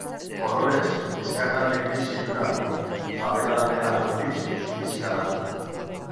Kolorez, bizkarralde gris iluna du; sabelaldea, aldiz, zurixka da.